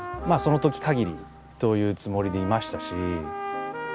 まあその時限りというつもりでいましたし。